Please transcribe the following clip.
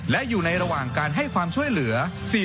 และอยู่ในระหว่างการให้ความช่วยเหลือ